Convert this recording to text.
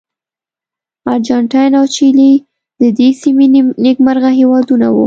ارجنټاین او چیلي د دې سیمې نېکمرغه هېوادونه وو.